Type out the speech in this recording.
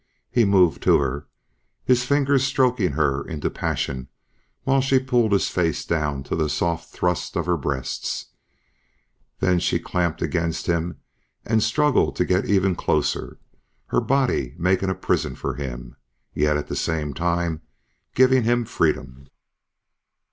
He moved to her, his fingers stroking her into passion while she pulled his face down to the soft thrust of her breasts. Then she was clamped against him and struggling to get even closer, her body making a prison for him ... yet at the same time giving him freedom.